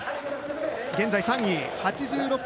現在、３位。